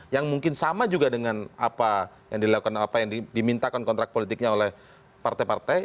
yang mungkin sama juga dengan apa yang dilakukan apa yang dimintakan kontrak politiknya oleh partai partai